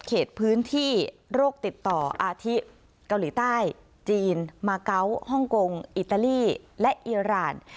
เขตพื้นที่โรคติดต่ออาทิเกาหลีใต้จีนมาเกาะฮ่องกงอิตาลีและอิราณ